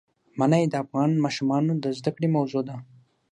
منی د افغان ماشومانو د زده کړې موضوع ده.